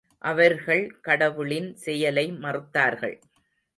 அவர்கள் கடவுளின் செயலை மறுத்தார்கள்.